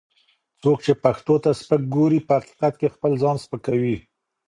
څوک چې پښتو ته سپک ګوري، په حقیقت کې خپل ځان سپکوي